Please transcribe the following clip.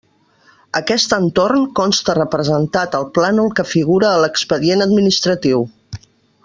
Aquest entorn consta representat al plànol que figura a l'expedient administratiu.